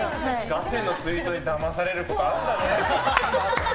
ガセのツイートにだまされるとかあるんだね。